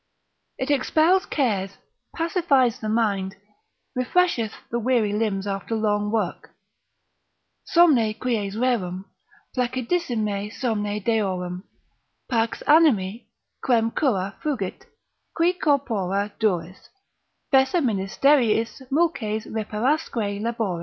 It expels cares, pacifies the mind, refresheth the weary limbs after long work: Somne quies rerum, placidissime somne deorum, Pax animi, quem cura fugit, qui corpora duris Fessa ministeriis mulces reparasque labori.